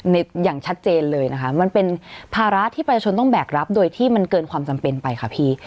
อย่างชัดเจนเลยนะคะมันเป็นภาระที่ประชาชนต้องแบกรับโดยที่มันเกินความจำเป็นไปค่ะพี่